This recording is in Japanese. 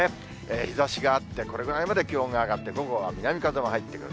日ざしがあって、これぐらいまで気温が上がって、午後は南風も入ってくる。